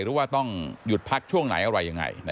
หรือว่าต้องหยุดพักช่วงไหนอะไรยังไง